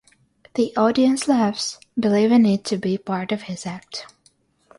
The audience laughs, believing it to be part of his act.